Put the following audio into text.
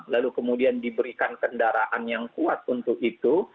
lalu kemudian diberikan kendaraan yang kuat untuk itu